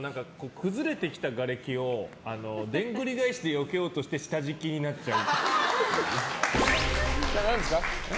崩れてきた、がれきをでんぐり返しでよけようとしてなっちゃう？